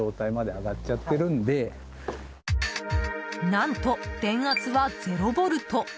何と、電圧は０ボルト。